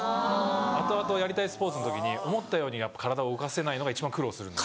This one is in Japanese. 後々やりたいスポーツの時に思ったように体を動かせないのが一番苦労するので。